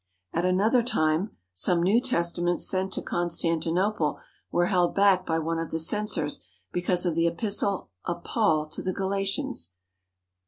At another time some New Testaments sent to Con stantinople were held back by one of the censors because of the Epistle of Paul to the Galatians.